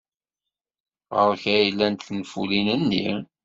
Ɣer-k ay llant tenfulin-nni?